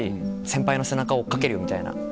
先輩の背中を追っ掛けるみたいな。